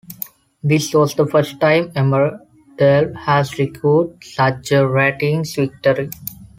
This was the first time "Emmerdale" has secured such a ratings victory.